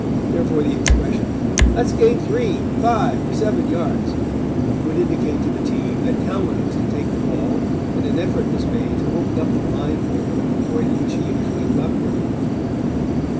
Therefore the expression, "Let's gain three, five or seven yards," would indicate to the team that Cowan was to take the ball, and an effort was made to open up the line for him at the point at which he usually bucked it.